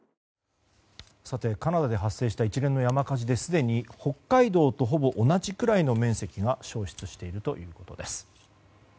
カナダで発生した一連の山火事ですでに北海道とほぼ同じくらいの面積が焼失しているということです。